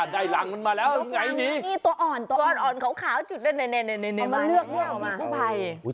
ได้รังมันมาแล้วไงนี่